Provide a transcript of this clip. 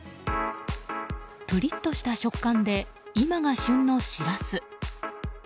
プリッとした食感で今が旬のシラス。